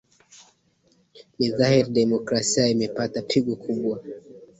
ni dhahiri demokrasia imepata pigo kubwa